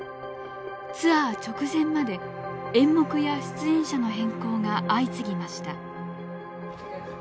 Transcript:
ツアー直前まで演目や出演者の変更が相次ぎました。